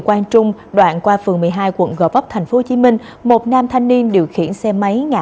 quang trung đoạn qua phường một mươi hai quận gò vấp tp hcm một nam thanh niên điều khiển xe máy ngã